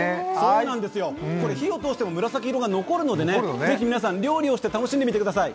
火を通しても紫色が残るのでぜひ料理をして楽しんでみてください。